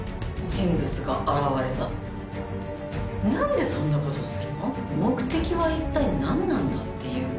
何でそんなことするの目的は一体何なんだっていう。